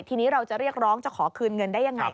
ทีนี้เราจะเรียกร้องจะขอคืนเงินได้ยังไง